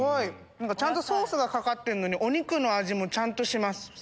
ソースがかかってるのにお肉の味もちゃんとします。